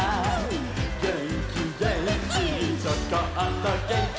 「げんきげんき」「ちょこっとげんき」